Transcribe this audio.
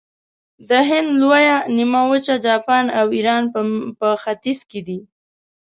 د هند لویه نیمه وچه، جاپان او ایران په ختیځ کې دي.